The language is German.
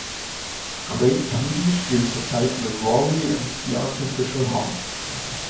Craig Tweedy spielt zurzeit mit Rory in The Artificial Heart.